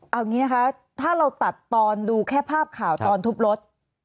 เอาอย่างนี้นะคะถ้าเราตัดตอนดูแค่ภาพข่าวตอนทุบรถ